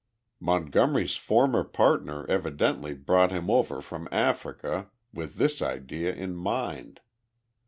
Montgomery's former partner evidently brought him over from Africa with this idea in mind.